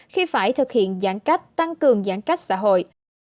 khi phải thực hiện giãn cách tăng cường giãn cách xã hội